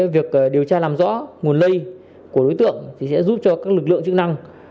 việc điều tra làm rõ nguồn lây của đối tượng sẽ giúp cho các lực lượng chức năng